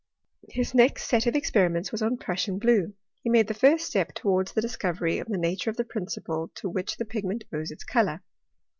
His next set of experiments was on Pnissian blae<^ He made the first step towards the discovery of the ni ture of the principle to which that pigment owes it colour.